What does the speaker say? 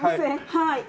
はい。